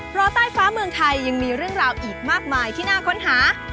เพราะใต้ฟ้าเมืองไทยยังมีเรื่องราวอีกมากมายที่น่าค้นหา